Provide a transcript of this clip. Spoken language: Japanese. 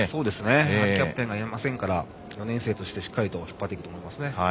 キャプテンがいませんから４年生として、しっかりと引っ張っていくと思いますね。